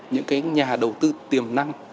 những cái nhà đầu tư tiềm năng